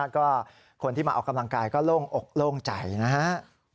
ก็คนที่มาออกกำลังกายก็โล่งอกโล่งใจนะฮะ